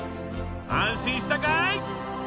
安心したかい？